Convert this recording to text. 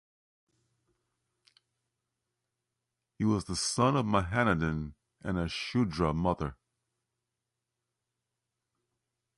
He was the son of Mahanandin, and a Shudra mother.